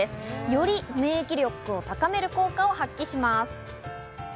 より免疫力を高める効果を発揮します。